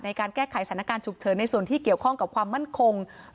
ในการแก้ไขสถานการณ์ฉุกเฉินในส่วนที่เกี่ยวข้องกับความมั่นคง